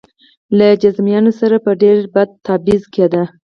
له جذامیانو سره به ډېر بد تبعیض کېده.